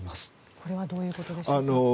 これはどういうことでしょうか？